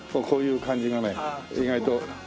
こういう感じがね意外と。